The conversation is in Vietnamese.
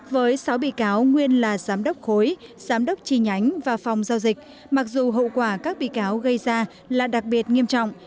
với sáu bị cáo nguyên là giám đốc khối giám đốc tri nhánh và phòng giao dịch mặc dù hậu quả các bị cáo gây ra là đặc biệt nghiêm trọng